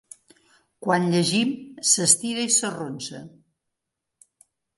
Quan llegim, s'estira i s'arronsa.